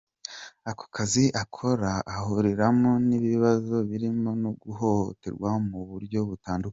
Ako kazi akora ahuriramo n’ibibazo birimo no guhohoterwa mu buryo butandukanye.